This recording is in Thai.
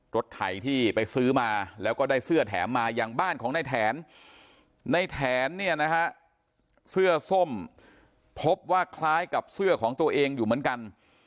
ไถที่ไปซื้อมาแล้วก็ได้เสื้อแถมมาอย่างบ้านของในแถนในแถนเนี่ยนะฮะเสื้อส้มพบว่าคล้ายกับเสื้อของตัวเองอยู่เหมือนกัน